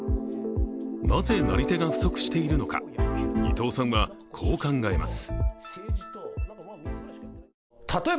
なぜ、なり手が不足しているのか、伊藤さんは、こう考えます。